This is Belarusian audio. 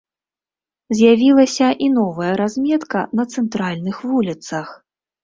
З'явілася і новая разметка на цэнтральных вуліцах.